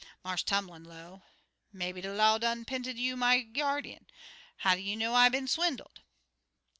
Marse Tumlin, low, 'Maybe de law done 'pinted you my gyardeen. How you know I been swindled?'